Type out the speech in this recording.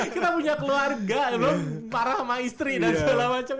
kita punya keluarga marah sama istri dan segala macam